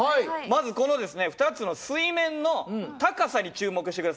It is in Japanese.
まずこのですね２つの水面の高さに注目して下さいね。